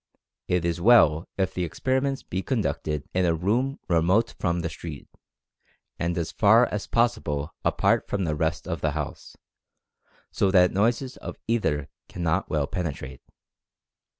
It is well if the experiments be conducted in a room remote from the street, and as far as possible apart from the rest of the house, so that noises of either cannot well penetrate.